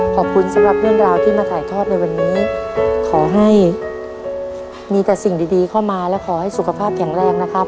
ขอบคุณสำหรับเรื่องราวที่มาถ่ายทอดในวันนี้ขอให้มีแต่สิ่งดีเข้ามาและขอให้สุขภาพแข็งแรงนะครับ